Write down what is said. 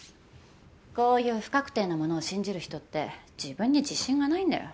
こういう不確定なものを信じる人って自分に自信が無いんだよ。